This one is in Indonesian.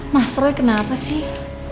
mas roy kenapa sih